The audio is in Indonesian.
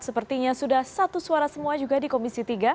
sepertinya sudah satu suara semua juga di komisi tiga